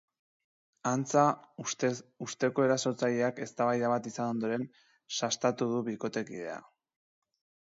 Antza, usteko erasotzaileak eztabaida bat izan ondoren sastatu du bikotekidea.